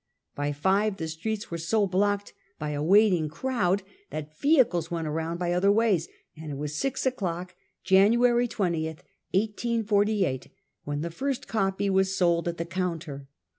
By five the streets were so blocked by a waiting crowd, that vehicles went around by other ways, and it was six o'clock, Jan. 20th, 1848, when the first copy was sold at the counter.